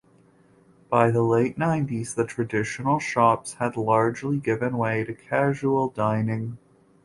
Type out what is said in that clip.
By the late nineties the traditional shops had largely given way to casual dining.